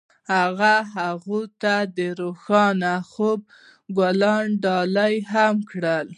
هغه هغې ته د روښانه خوب ګلان ډالۍ هم کړل.